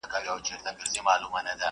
نه سازونه مي مطلب د نيمي شپې دي٫